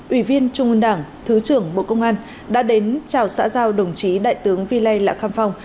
ủy viên trung ương đảng thứ trưởng bộ công an đã đến chào xã giao đồng chí đại tướng vy lê lạc kham phong